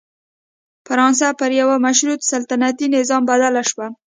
فرانسه پر یوه مشروط سلطنتي نظام بدله شوه.